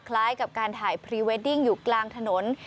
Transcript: คล้ายกับการถ่ายพรีเวดดิ้งอยู่กลางถนน